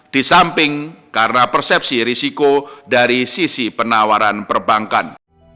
di samping karena persepsi risiko dari sisi penawaran perbankan